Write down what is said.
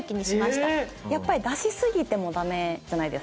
やっぱり出しすぎてもダメじゃないですか。